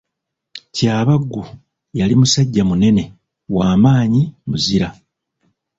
Kyabaggu yali musajja munene, wa maanyi muzira.